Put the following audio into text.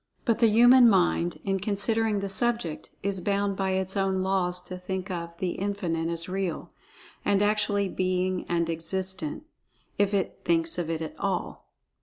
But the human mind, in considering the subject, is bound by its own laws to think of "The Infinite" as Real, and actually being and existent, if it thinks of It at all.